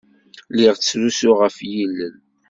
Lliɣ ttrusuɣ ɣef yilel.